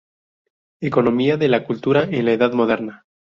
Economía de la Cultura en la Edad Moderna’’.